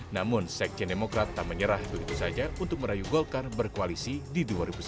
namun sekjen demokrat tak menyerah begitu saja untuk merayu golkar berkoalisi di dua ribu sembilan belas